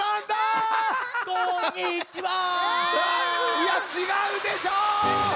いやちがうでしょ！